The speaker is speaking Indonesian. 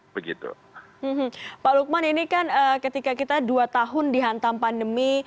pak lukman ini kan ketika kita dua tahun dihantam pandemi